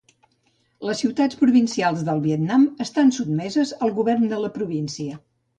Les ciutats provincials del Vietnam estan sotmeses al govern de la província.